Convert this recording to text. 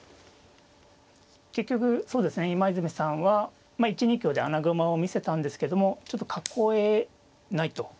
結局そうですね今泉さんは１二香で穴熊を見せたんですけどもちょっと囲えないと判断したんですね。